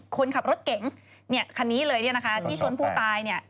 คนขับรถเก่งคันนี้เลยที่ชนผู้ตาย